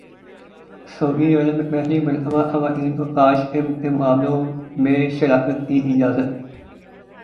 سعودی Arab میں پہلی مرتبہ خواتین کو تاش کے مقابلوں میں شرکت کی اجازت